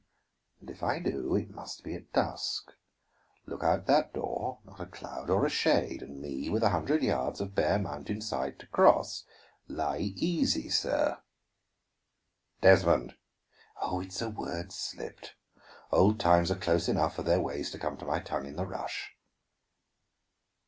"And if I do, it must be at dusk. Look out that door; not a cloud or a shade and me with a hundred yards of bare mountain side to cross. Lie easy, sir." "Desmond!" "Oh, it's a word slipped! Old times are close enough for their ways to come to my tongue in the rush."